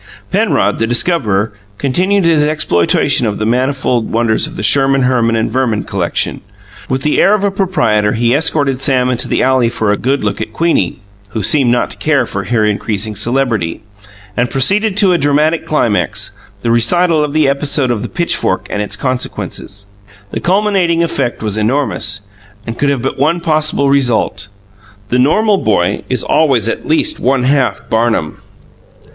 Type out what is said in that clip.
Penrod, the discoverer, continued his exploitation of the manifold wonders of the Sherman, Herman, and Verman collection. With the air of a proprietor he escorted Sam into the alley for a good look at Queenie (who seemed not to care for her increasing celebrity) and proceeded to a dramatic climax the recital of the episode of the pitchfork and its consequences. The cumulative effect was enormous, and could have but one possible result. The normal boy is always at least one half Barnum.